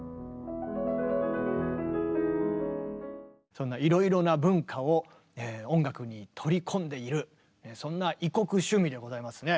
そんないろいろな文化を音楽に取り込んでいるそんな異国趣味でございますね。